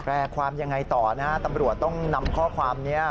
ความยังไงต่อนะฮะตำรวจต้องนำข้อความนี้